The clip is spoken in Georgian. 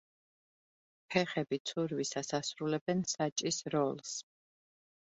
ფეხები ცურვისას ასრულებენ საჭის როლს.